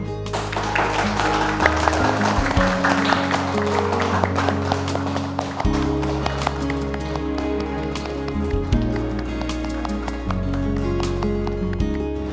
tuhan di mana